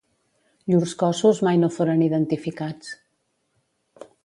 Llurs cossos mai no foren identificats.